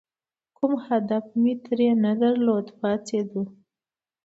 کوم هدف مې ترې نه درلود، پاڅېدو.